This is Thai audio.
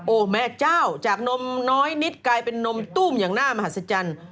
โอ้โหแม่เจ้าจากนมน้อยนิดกลายเป็นนมตุ้มอย่างหน้ามหัศจรรย์